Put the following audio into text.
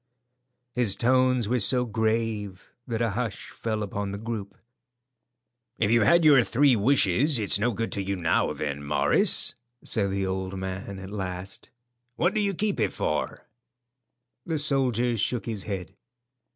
His tones were so grave that a hush fell upon the group. "If you've had your three wishes, it's no good to you now, then, Morris," said the old man at last. "What do you keep it for?" The soldier shook his head.